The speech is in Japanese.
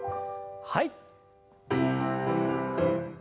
はい。